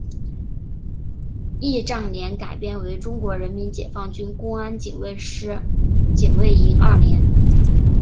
仪仗连改编为中国人民解放军公安警卫师警卫营二连。